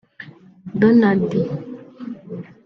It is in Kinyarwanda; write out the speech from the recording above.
Donald